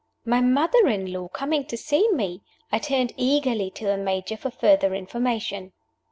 My mother in law coming to see me! I turned eagerly to the Major for further information.